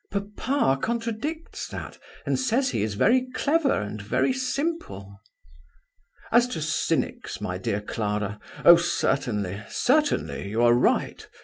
"Papa contradicts that, and says he is very clever and very simple." "As to cynics, my dear Clara, oh, certainly, certainly: you are right.